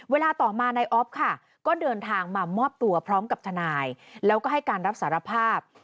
เวลาต่อมานายอ๊อฟค่ะก็เดินทางมามอบตัวพร้อมกับทนายแล้วก็ให้การรับสารภาพ